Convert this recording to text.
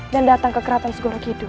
dan datang ke keratan segorok hidup